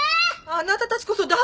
あなたたちこそ誰？